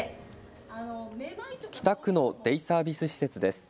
北区のデイサービス施設です。